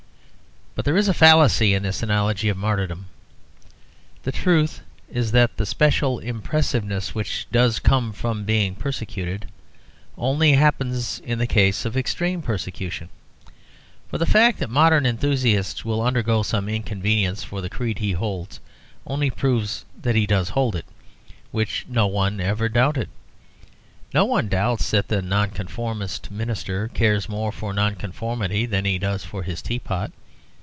But there is a fallacy in this analogy of martyrdom. The truth is that the special impressiveness which does come from being persecuted only happens in the case of extreme persecution. For the fact that the modern enthusiast will undergo some inconvenience for the creed he holds only proves that he does hold it, which no one ever doubted. No one doubts that the Nonconformist minister cares more for Nonconformity than he does for his teapot.